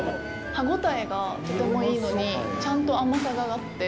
歯応えがとてもいいのにちゃんと甘さがあって。